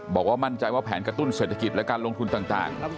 บอกว่ามั่นใจว่าแผนกระตุ้นเศรษฐกิจและการลงทุนต่าง